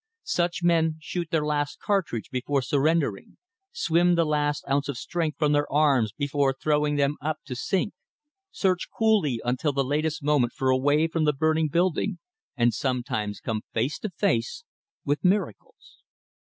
Such men shoot their last cartridge before surrendering, swim the last ounce of strength from their arms before throwing them up to sink, search coolly until the latest moment for a way from the burning building, and sometimes come face to face with miracles.